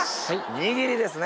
握りですね